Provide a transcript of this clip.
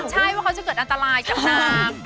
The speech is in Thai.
ใช่ว่าเขาจะเกิดอันตรายกับนาง